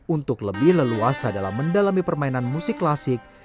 untuk lebih leluasa dalam mendalami permainan musik klasik